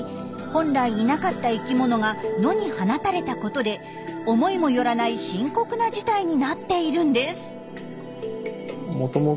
本来いなかった生きものが野に放たれたことで思いもよらない深刻な事態になっているんです。